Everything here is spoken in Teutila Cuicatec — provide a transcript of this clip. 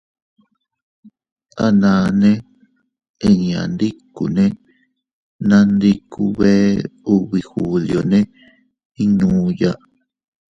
Ananne inña ndikune, nandiku bee ubi julione innuya.